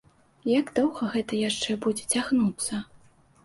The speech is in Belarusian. Як доўга гэта яшчэ будзе цягнуцца?